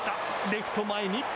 レフト前に。